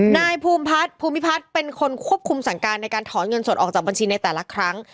นายภูมิพัฒน์ภูมิพัฒน์เป็นคนควบคุมสั่งการในการถอนเงินสดออกจากบัญชีในแต่ละครั้ง